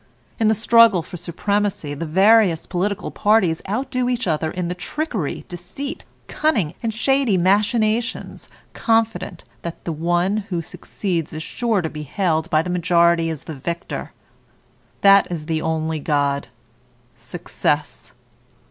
In the struggle for supremacy the various political parties outdo each other in trickery, deceit, cunning, and shady machinations, confident that the one who succeeds is sure to be hailed by the majority as the victor. That is the only god, Success.